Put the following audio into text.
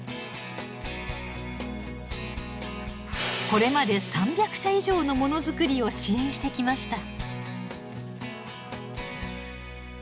これまで３００社以上のものづくりを支援してきました。